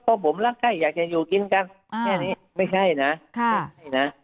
เพราะผมรักไข้อยากจะอยู่กินกันแค่นี้ไม่ใช่นะใช่นะ